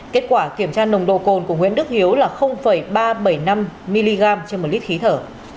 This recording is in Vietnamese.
kết quả kiểm tra nồng độ cồn của nguyễn đức hiếu là ba trăm bảy mươi năm mg trên một lít khí thở